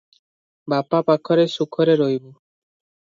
ବାପା ପାଖରେ ସୁଖରେ ରହିବୁ ।"